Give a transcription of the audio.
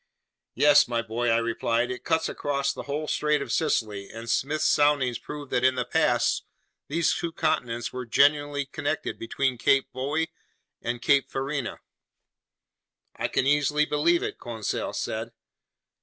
"Yes, my boy," I replied, "it cuts across the whole Strait of Sicily, and Smith's soundings prove that in the past, these two continents were genuinely connected between Cape Boeo and Cape Farina." "I can easily believe it," Conseil said.